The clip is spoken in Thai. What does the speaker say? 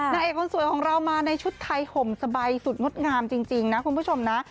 นางเอกคนสวยของเรามาในชุดไทยห่มสบายสุดงดงามจริงนะคุณผู้ชมนะ